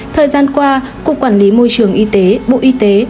thời gian qua cục quản lý môi trường y tế bộ y tế